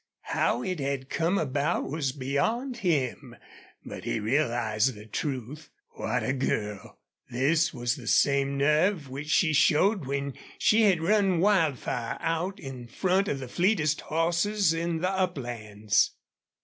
How it had come about was beyond him, but he realized the truth. What a girl! This was the same nerve which she showed when she had run Wildfire out in front of the fleetest horses in the uplands.